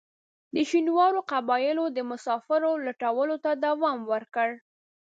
د شینوارو قبایلو د مسافرو لوټلو ته دوام ورکړ.